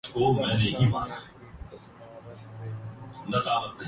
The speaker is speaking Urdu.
پاکستان میں بھی پدماوت ریلیز